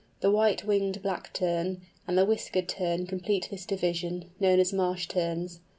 The White winged Black Tern and the Whiskered Tern complete this division, known as "Marsh Terns."